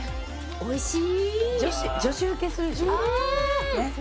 おいしい！